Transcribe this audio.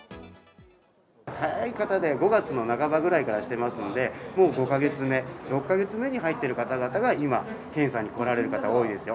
早い方で５月の半ばくらいからしてますので、もう５か月目、６か月目に入っている方々が今、検査に来られる方、多いですよ。